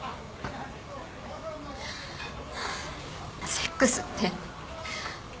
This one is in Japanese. セックスって。